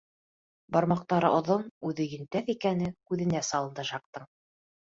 Бармаҡтары оҙон, үҙе йөнтәҫ икәне күҙенә салынды Жактың.